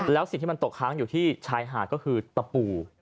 แล้วสิ่งที่มันตกค้างอยู่ที่ชายหาดก็คือตะปู